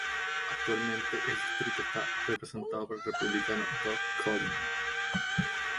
Actualmente el distrito está representado por el Republicano Doug Collins.